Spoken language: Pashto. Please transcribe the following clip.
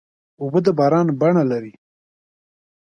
اوبه د باران بڼه لري.